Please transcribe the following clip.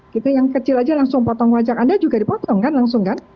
kita yang kecil saja langsung potong pajak anda juga dipotong langsung kan